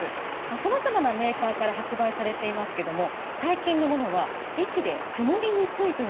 さまざまなメーカーから発売されていますけども最近のものは息でくもりにくいというのが特徴です。